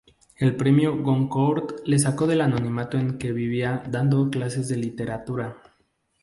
El premio Goncourt le sacó del anonimato en que vivía dando clases de literatura.